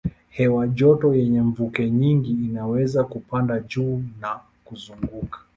Hewa joto yenye mvuke nyingi inaanza kupanda juu na kuzunguka.